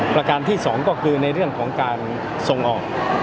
ประการที่๒ก็คือในเรื่องของการส่งออก